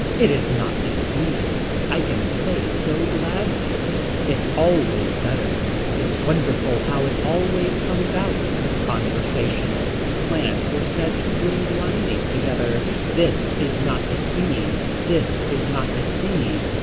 It is not deceiving. I can say so gladly. It's always better. It's wonderful how it always comes out. Conversational. Plants were said to bring lining together. This is not deceived. This is not deceived.